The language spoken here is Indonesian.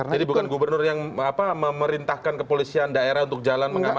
jadi bukan gubernur yang memerintahkan kepolisian daerah untuk jalan